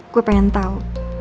gue pengen tau